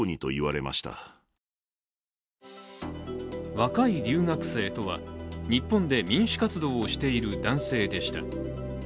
若い留学生とは日本で民主活動をしている男性でした。